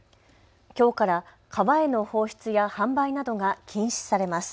きょうから川への放出や販売などが禁止されます。